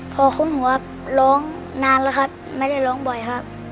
พอคุ้นหัวร้องนานแล้วครับไม่ได้ร้องบ่อยครับ